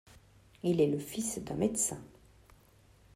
Il est le fils d'un médecin.